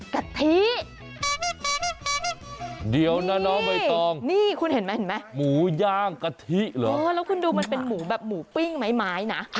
กะทิเดี๋ยวนะน้องใบตองนี่คุณเห็นไหมเห็นไหมหมูย่างกะทิเหรอแล้วคุณดูมันเป็นหมูแบบหมูปิ้งไม้นะ